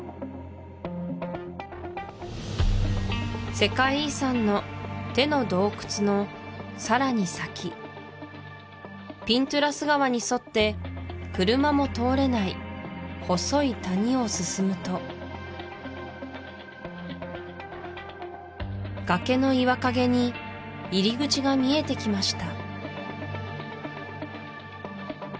世界遺産の手の洞窟のさらに先ピントゥラス川に沿って車も通れない細い谷を進むと崖の岩陰に入り口が見えてきました